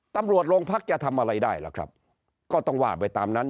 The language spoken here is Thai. ตำรวจโรงพักจะทำอะไรได้ล่ะครับก็ต้องว่าไปตามนั้น